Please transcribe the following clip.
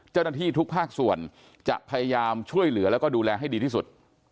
เจ้าหน้าที่ทุกภาคส่วนจะพยายามช่วยเหลือแล้วก็ดูแลให้ดีที่สุด